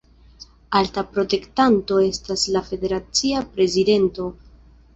Alta protektanto estas la federacia prezidento.